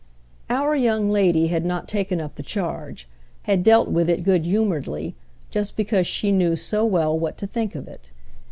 Our young lady had not taken up the charge, had dealt with it good humouredly, just because she knew so well what to think of it.